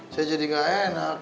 saya jadi gak enak